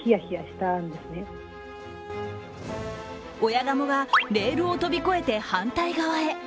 親ガモがレールを飛び越えて反対側へ。